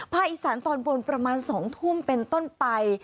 อีสานตอนบนประมาณ๒ทุ่มเป็นต้นไป